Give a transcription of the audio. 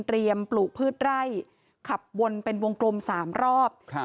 ปลูกพืชไร่ขับวนเป็นวงกลมสามรอบครับ